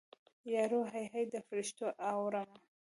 یارو هی هی د فریشتو اورمه